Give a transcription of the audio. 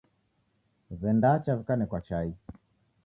Wendacha wikanekwa chai